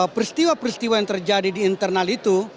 peristiwa peristiwa yang terjadi di internal itu